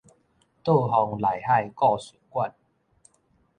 倒風內海故事館